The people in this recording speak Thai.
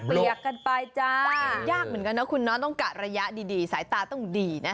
เปียกกันไปจ้ายากเหมือนกันนะคุณเนาะต้องกะระยะดีสายตาต้องดีนะ